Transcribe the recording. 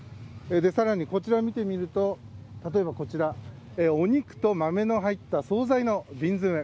更に、こちら見てみると例えば、お肉と豆の入った総菜の瓶詰